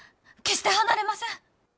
決して離れません！